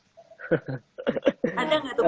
ada gak tuh